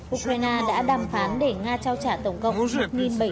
ukraine đã đàm phán để nga trao trả tổng cộng một bảy trăm sáu mươi hai người